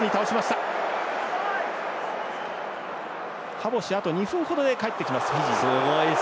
ハボシあと２分ほどで帰ってきます。